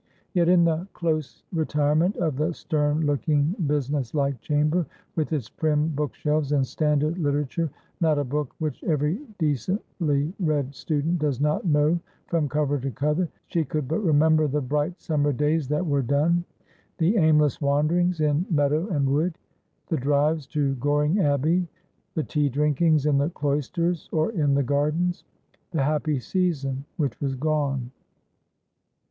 Yet in the close retirement of the stern looking busi ness like chamber^, with its prim bookshelves and standard litera ture — not a book which every decently read student does not know from cover to cover — she could but remember the bright summer days that were done ; the aimless wanderings in meadow and wood ; the drives to Goring Abbey ; thetea drinkingsinthe cloisters or in the gardens ; the happy season which was gone.